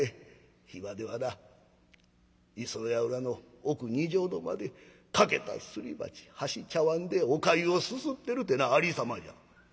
今ではな磯屋裏の奥二畳の間で欠けたすり鉢箸茶わんでおかゆをすすってるてなありさまじゃ。